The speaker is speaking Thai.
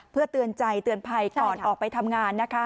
เพื่อเตือนใจเตือนภัยก่อนออกไปทำงานนะคะ